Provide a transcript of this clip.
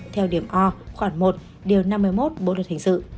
theo điểm o khoảng một điều năm mươi một bộ luật hình sự